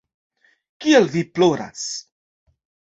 Kial vi ploras?